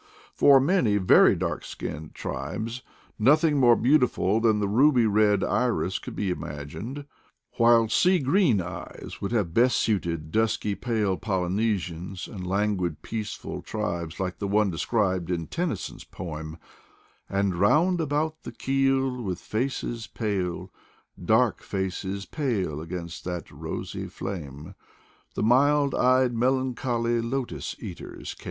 For many very dark skinned tribes nothing more beautiful than the ruby red iris could be imagined; while sea green eyes would have best suited dusky pale Poly nesians and languid peaceful tribes like the one described in Tennyson's poem: — And round about the keel with faces pale, Dark faces pale against that rosy flame, The mild eyed melancholy Lotos eaters came.